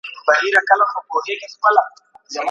ما پخوا لا ستا تر مخه باندي ایښي دي لاسونه